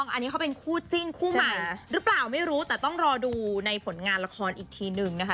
อันนี้เขาเป็นคู่จิ้นคู่ใหม่หรือเปล่าไม่รู้แต่ต้องรอดูในผลงานละครอีกทีนึงนะคะ